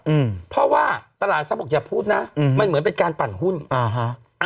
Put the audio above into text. อืมเพราะว่าตลาดทรัพย์บอกอย่าพูดนะอืมมันเหมือนเป็นการปั่นหุ้นอ่าฮะ